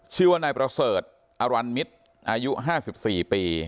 ชื่อว่านายประเสริฐอรันมิตรอายุ๕๔ปี